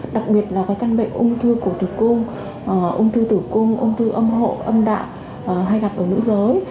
đặc biệt là căn bệnh ung thư của tử cung ung thư tử cung ung thư âm hộ âm đạng hay gặp ở nữ giới